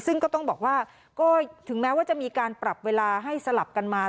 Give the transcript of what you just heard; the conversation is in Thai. ซึ่งก็ต้องบอกว่าก็ถึงแม้ว่าจะมีการปรับเวลาให้สลับกันมา